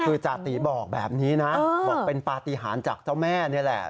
คือจาติบอกแบบนี้นะบอกเป็นปฏิหารจากเจ้าแม่นี่แหละ